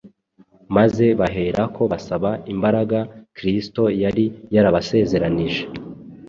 maze baherako basaba imbaraga Kristo yari yarabasezeraniye.